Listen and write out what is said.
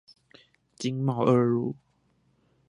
經貿二路